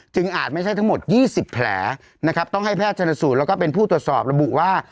อาจไม่ใช่ทั้งหมด๒๐แผลนะครับต้องให้แพทย์ชนสูตรแล้วก็เป็นผู้ตรวจสอบระบุว่า